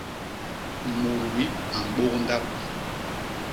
Mut wip a mbôk ndap.